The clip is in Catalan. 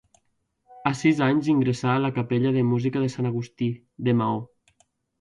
A sis anys ingressà a la capella de música de Sant Agustí, de Maó.